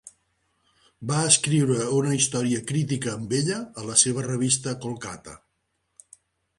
Va escriure una història crítica amb ella a la seva revista Kolkata.